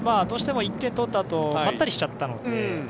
どうしても１点取ったあとまったりしちゃったので。